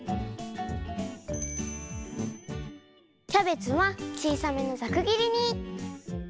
キャベツはちいさめのざくぎりに。